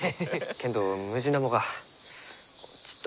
けんどムジナモがちっと心配で。